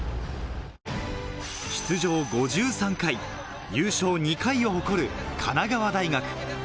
出場５３回、優勝２回を誇る神奈川大学。